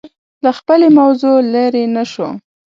له خپلې موضوع لرې نه شو